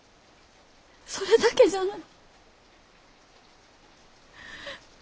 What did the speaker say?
それだけじゃのに。